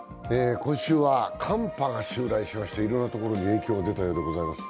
今週は寒波が襲来しましていろいろなところで影響を受けたようでございます。